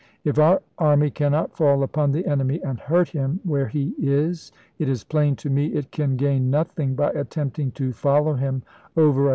If our army cannot fall upon the enemy and hurt him where he is, it is plain to me it can gain nothing by attempting to follow him over a pp.